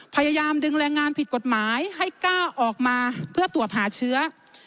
พยายามดึงแรงงานผิดกฎหมายให้ก้าวออกมาเพื่อตรวจหาเชื้อ